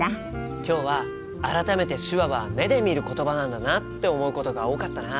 今日は改めて手話は目で見る言葉なんだなって思うことが多かったな。